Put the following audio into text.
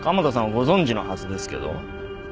ご存じのはずですけど。